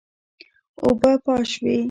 اوبه پاش شوې.